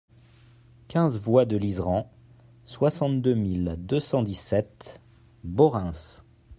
quinze voie de l'Iseran, soixante-deux mille deux cent dix-sept Beaurains